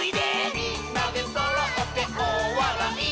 「みんなでそろっておおわらい」